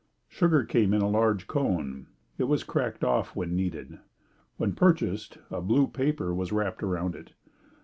Sugar came in a large cone. It was cracked off when needed. When purchased, a blue paper was wrapped around it.